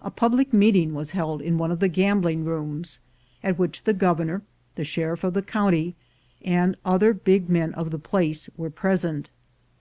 A public meeting was held in one of the gambling rooms, at which the governor, the sheriff of the county, and other big men of the place, were pres ent.